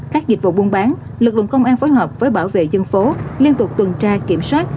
các dịch vụ buôn bán lực lượng công an phối hợp với bảo vệ dân phố liên tục tuần tra kiểm soát